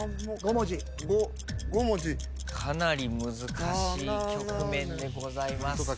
かなり難しい局面でございます。